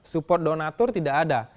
support donatur tidak ada